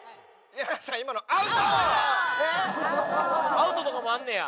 アウトとかもあんねや？